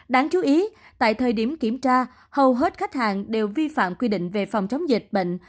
đáng chú ý tại thời điểm kiểm tra hầu hết khách hàng đều vi phạm quy định về phòng chống dịch bệnh